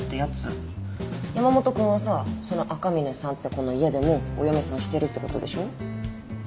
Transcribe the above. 山本君はさその赤嶺さんって子の家でもお嫁さんしてるってことでしょ？